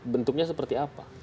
bentuknya seperti apa